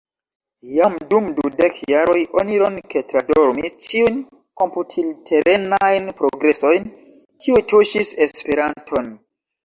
Jam dum dudek jaroj oni ronke tradormis ĉiujn komputilterenajn progresojn, kiuj tuŝis Esperanton.